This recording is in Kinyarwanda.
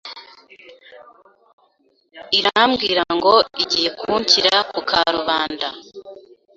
irambwira ngo igiye kunshyira ku karubanda